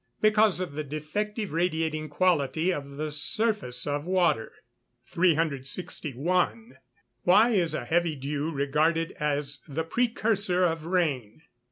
_ Because of the defective radiating quality of the surface of water. 361. _Why is a heavy dew regarded as the precursor of rain?